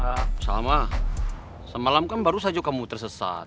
ya sama semalam kan baru saja kamu tersesat